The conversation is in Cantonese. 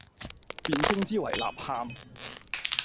便稱之爲《吶喊》。